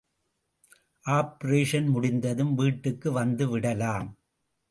Operation முடிந்ததும் வீட்டுக்கு வந்துவிடலாம்.